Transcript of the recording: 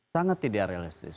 sangat tidak realistis